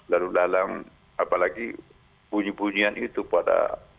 lalu lalang apalagi bunyi bunyian itu pada